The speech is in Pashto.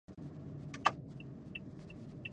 د غور واکمنو پښتو ژبې ته ډېره وده او پرمختګ ورکړ